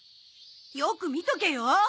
よく見とけよ。